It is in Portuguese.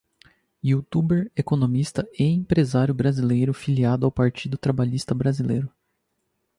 youtuber, economista E empresário brasileiro filiado ao Partido Trabalhista Brasileiro.